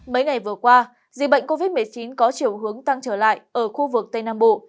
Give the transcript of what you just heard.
mấy ngày vừa qua dịch bệnh covid một mươi chín có chiều hướng tăng trở lại ở khu vực tây nam bộ